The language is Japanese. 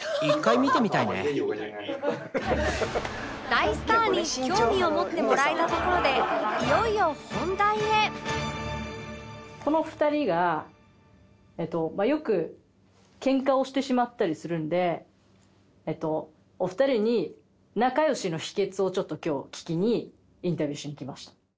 大スターに興味を持ってもらえたところでこの２人がよくケンカをしてしまったりするのでお二人に仲良しの秘訣をちょっと今日聞きにインタビューしに来ました。